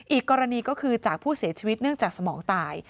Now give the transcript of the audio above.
อีกกรณีก็คือจากผู้เสียชีวิตเนื่องจากสมองตาย